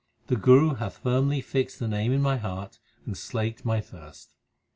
The Guru hath firmly fixed the Name in my heart and slaked my thirst.